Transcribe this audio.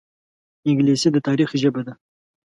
انګلیسي د تاریخ ژبه ده